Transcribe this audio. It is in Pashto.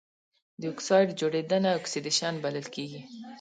د اکسايډ جوړیدنه اکسیدیشن بلل کیږي.